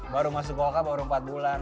baru masuk kota baru empat bulan